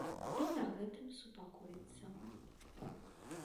І на гэтым супакоіцца.